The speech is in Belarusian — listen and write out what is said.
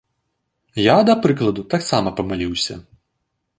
Я, да прыкладу, таксама памыліўся.